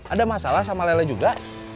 ada masalah sama lele juga